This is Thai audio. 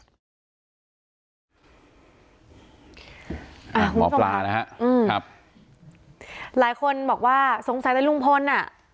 หมอปลานะฮะอืมครับหลายคนบอกว่าสงสัยแต่ลุงพลอ่ะ